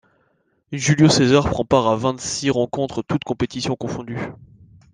Júlio César prend part à vingt-six rencontres toutes compétitions confondues.